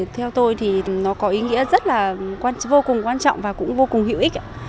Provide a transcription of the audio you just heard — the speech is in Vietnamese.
theo tôi thì nó có ý nghĩa rất là vô cùng quan trọng và cũng vô cùng hữu ích